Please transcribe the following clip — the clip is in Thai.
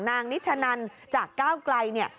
นิชนันจากก้าวไกลเนี่ย